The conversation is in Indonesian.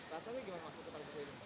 rasanya gimana masuk ke takbir